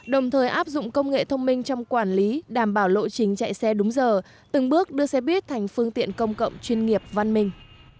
đồng thời áp dụng công nghệ thông minh trong quản lý đảm bảo lộ trình chạy xe đúng giờ từng bước đưa xe buýt thành phương tiện công cộng chuyên nghiệp văn minh